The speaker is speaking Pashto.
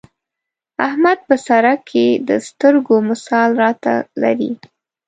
احمد په سرکې د سترګو مثال را ته لري.